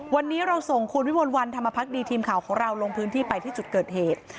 วันนี้เราส่งคุณวิมลวันธรรมพักดีทีมข่าวของเราลงพื้นที่ไปที่จุดเกิดเหตุ